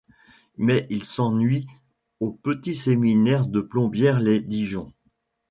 Mais il s'ennuie au Petit-séminaire de Plombières-lès-Dijon.